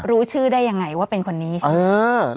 รู้ชื่อได้ยังงัยว่าเป็นคนนี้ชิบ